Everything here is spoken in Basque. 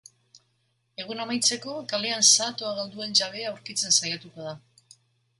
Eguna amaitzeko, kalean zahatoa galdu duen jabea aurkitzen saiatuko da.